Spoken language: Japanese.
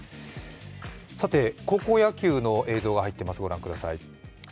高校野球の映像が入っています、ご覧ください。